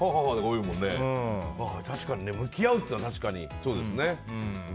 確かに、向き合うっていうのはそうですね。